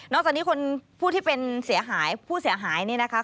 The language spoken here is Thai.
จากนี้คนผู้ที่เป็นเสียหายผู้เสียหายนี่นะคะ